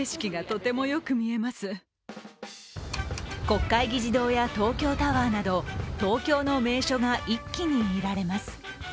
国会議事堂や東京タワーなど東京の名所が一気に見られます。